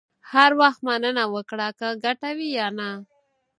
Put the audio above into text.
هر وخت مننه وکړه، که ګټه وي یا نه.